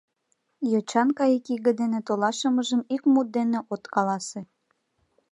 Йочан кайыкиге дене толашымыжым ик мут дене от каласе.